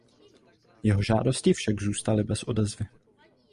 Jeho žádosti však zůstaly bez odezvy.